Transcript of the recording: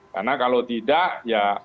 karena kalau tidak ya